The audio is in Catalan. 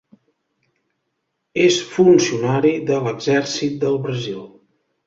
És funcionari de l'exèrcit del Brasil.